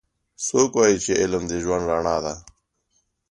څوک وایي چې علم د ژوند رڼا ده